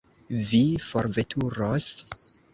Vi forveturos?